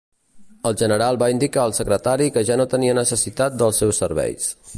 El general va indicar al secretari que ja no tenia necessitat dels seus serveis.